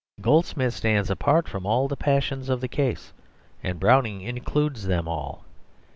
Goldsmith stands apart from all the passions of the case, and Browning includes them all.